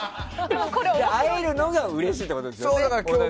会えるのがうれしいってことですよね。